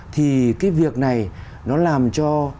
thì cái việc này nó làm cho